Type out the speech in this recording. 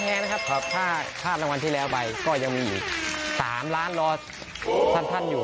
อีกอย่างนะครับถ้ารางวัลที่แล้วไปยังมีอีก๓ล้านรอดสั้นอยู่